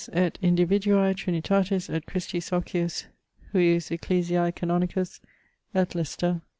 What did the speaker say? et individuae Trinitatis et Christi socius, hujus ecclesiae canonicus et Leycestr.